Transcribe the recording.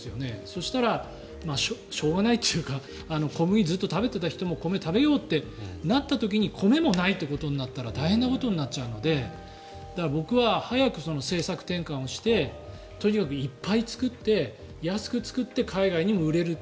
そしたら、しょうがないと小麦をずっと食べていた人が米を食べようとなった時に米もないということになったら大変なことになっちゃうので僕は早く政策転換してとにかくいっぱい作って安く作って海外にも売れる。